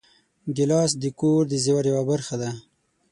ګیلاس د کور د زېور یوه برخه ده.